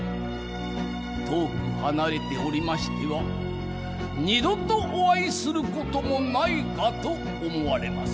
遠く離れておりましては二度とお逢いする事もないかと思われます。